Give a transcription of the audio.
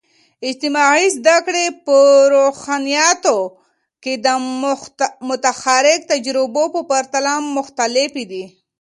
اجتماعي زده کړې په روحانيات کې د متحرک تجربو په پرتله مختلفې دي.